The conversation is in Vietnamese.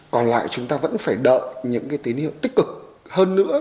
còn lại chúng ta vẫn phải đợi những cái tín hiệu tích cực hơn nữa